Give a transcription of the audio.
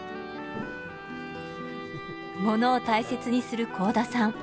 ものを大切にする甲田さん。